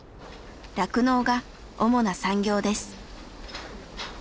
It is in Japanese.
酪農が主な産業です。